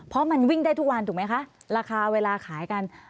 เพราะมันวิ่งได้ทุกวันถูกไหมคะราคาเวลาขายกัน